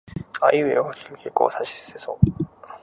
あいうえおかきくけこさしすせそた